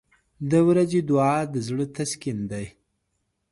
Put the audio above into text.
• د ورځې دعا د زړه تسکین دی.